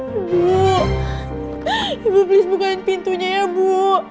ibu ibu tolong bukain pintunya ya bu